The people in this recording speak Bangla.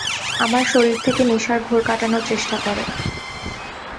আমার শরীর থেকে নেশার ঘোর কাটানোর চেষ্টা করে।